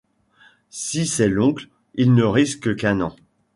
Si c'est l’oncle, il ne risque qu'un an.